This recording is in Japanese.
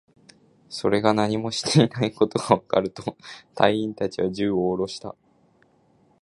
それが何もしてこないことがわかると、隊員達は銃をおろした